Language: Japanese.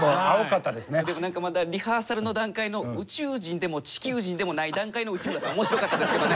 でも何かまだリハーサルの段階の宇宙人でも地球人でもない段階の内村さん面白かったですけどね。